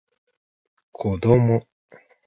こども